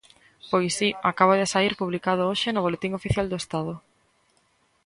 Pois si, acaba de saír publicado hoxe no Boletín Oficial do Estado.